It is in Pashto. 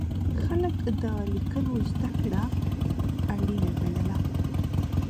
خلک د لیکلو زده کړه اړینه ګڼله.